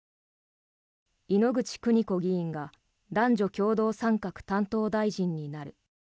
猪口邦子議員が男女共同参画担当大臣になる。